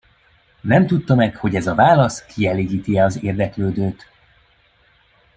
Nem tudta meg, hogy ez a válasz kielégíti-e az érdeklődőt.